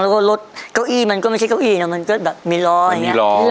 แล้วก็รถเก้าอี้มันก็ไม่ใช่เก้าอี้นะมันก็แบบมีล้ออย่างนี้